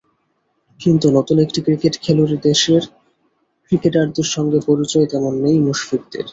কিন্তু নতুন একটি ক্রিকেট খেলুড়ে দেশের ক্রিকেটারদের সঙ্গে পরিচয় তেমন নেই মুশফিকদের।